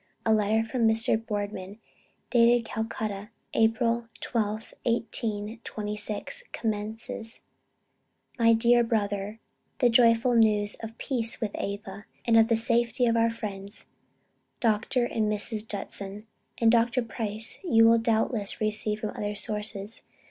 A letter from Mr. Boardman dated Calcutta, April 12th, 1826, commences: "My dear Brother, The joyful news of peace with Ava, and of the safety of our friends Dr. and Mrs. Judson, and Dr. Price, you will doubtless receive from other sources.